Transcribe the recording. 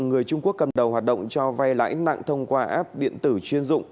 người trung quốc cầm đầu hoạt động cho vay lãi nặng thông qua app điện tử chuyên dụng